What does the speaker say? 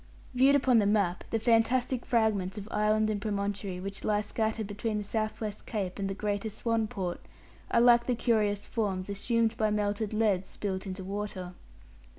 Viewed upon the map, the fantastic fragments of island and promontory which lie scattered between the South West Cape and the greater Swan Port, are like the curious forms assumed by melted lead spilt into water.